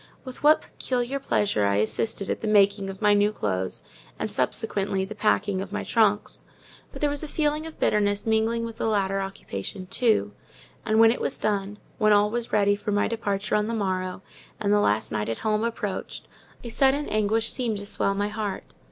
With what peculiar pleasure I assisted at the making of my new clothes, and, subsequently, the packing of my trunks! But there was a feeling of bitterness mingling with the latter occupation too; and when it was done—when all was ready for my departure on the morrow, and the last night at home approached—a sudden anguish seemed to swell my heart.